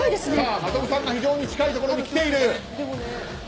真飛さんが非常に近いところにきている。